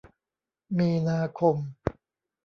มีนาคม